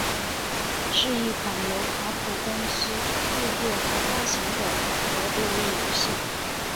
是一款由卡普空公司制作和发行的格斗类游戏。